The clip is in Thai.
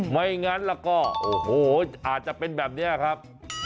ไม่งั้นแล้วก็โอ้โหอาจจะเป็นแบบนี้ครับ